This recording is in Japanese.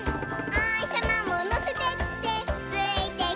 「おひさまものせてってついてくるよ」